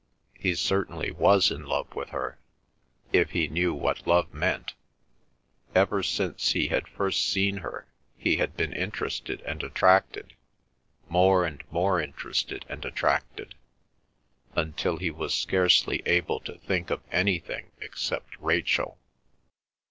He certainly was in love with her, if he knew what love meant. Ever since he had first seen her he had been interested and attracted, more and more interested and attracted, until he was scarcely able to think of anything except Rachel.